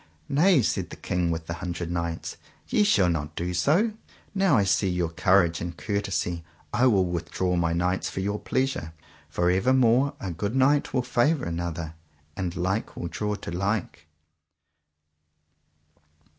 Nay, said the King with the Hundred Knights, ye shall not do so; now I see your courage and courtesy I will withdraw my knights for your pleasure, for evermore a good knight will favour another, and like will draw to like.